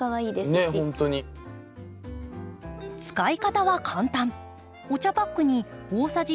使い方は簡単。